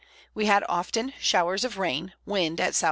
We had often Showers of Rain, Wind at S.S.